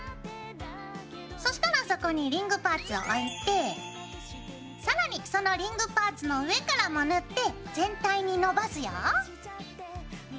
そしたらそこにリングパーツを置いて更にそのリングパーツの上からも塗って全体にのばすよ。